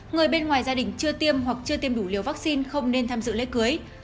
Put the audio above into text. người bên ngoài gia đình chưa tiêm hoặc chưa tiêm đủ liều vaccine không nên tham dự lễ cưới